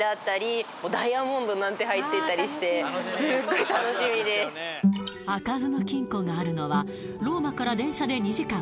ごい開かずの金庫があるのはローマから電車で２時間